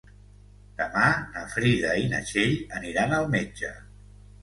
Demà na Frida i na Txell aniran al metge.